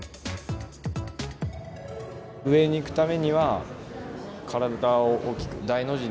上に行くためには体を大きく大の字に。